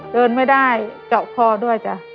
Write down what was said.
เดินไม่ได้เจาะคอด้วยจ้ะ